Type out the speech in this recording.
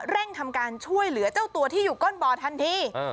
เร่งทำการช่วยเหลือเจ้าตัวที่อยู่ก้นบ่อทันที